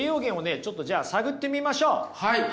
ちょっとじゃあ探ってみましょう。